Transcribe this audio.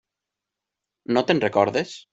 No te'n recordes?